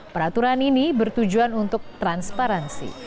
peraturan ini bertujuan untuk transparansi